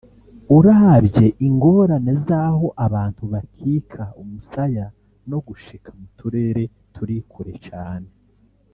uravye ingorane z’aho abantu bakika umusaya no gushika mu turere turi kure cane